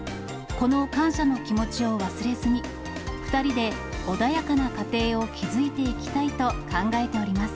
この感謝の気持ちを忘れずに、２人で穏やかな家庭を築いていきたいと考えております。